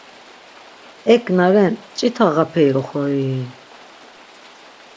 Ek na ren mç̌ita ğaperi oxorii?